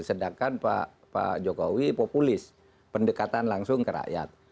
sedangkan pak jokowi populis pendekatan langsung ke rakyat